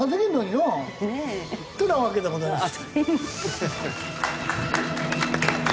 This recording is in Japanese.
ねえ。ってなわけでございます。